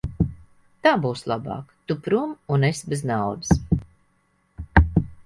Tā būs labāk; tu prom un es bez naudas.